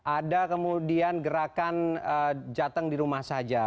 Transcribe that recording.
ada kemudian gerakan jateng dirumah saja